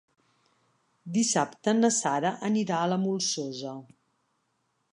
Dissabte na Sara anirà a la Molsosa.